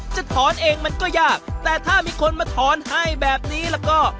จะถอนเองมันก็ยากแต่ถ้ามีคนมาถอนให้แบบนี้แล้วก็